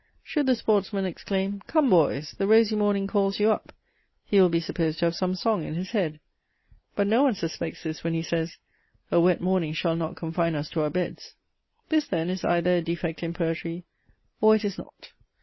Should the sportsman exclaim, "Come boys! the rosy morning calls you up:" he will be supposed to have some song in his head. But no one suspects this, when he says, "A wet morning shall not confine us to our beds." This then is either a defect in poetry, or it is not.